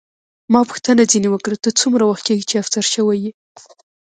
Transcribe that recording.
ما پوښتنه ځیني وکړه، ته څومره وخت کېږي چې افسر شوې یې؟